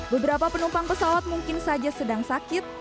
beberapa penumpang pesawat mungkin saja sedang sakit